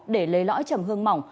để lấy lõi trầm hương mỏng